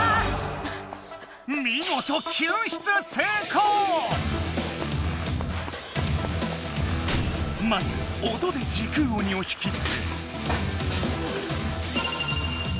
見事まず音で時空鬼を引きつけ。